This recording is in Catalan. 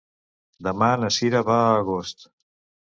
Demà na Cira va a Agost.